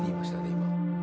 今。